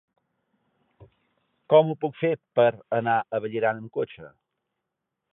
Com ho puc fer per anar a Vallirana amb cotxe?